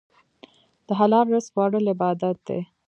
د حلال رزق خوړل عبادت دی.